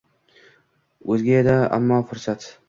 O’zga edi ammo fursat